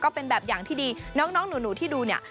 เป็นแบบอย่างที่ดีน้องหนูที่ดูเนี่ย